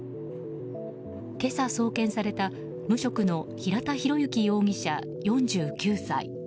今朝送検された無職の平田博之容疑者、４９歳。